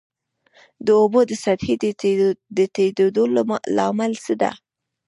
د اوبو د سطحې د ټیټیدو لامل څه دی؟